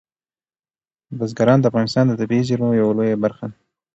بزګان د افغانستان د طبیعي زیرمو یوه لویه برخه ده.